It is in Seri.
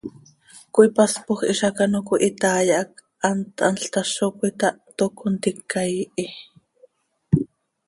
Cöipaspoj hizac ano cöihitai hac hant thanl tazo cöitáh, toc contica ihi.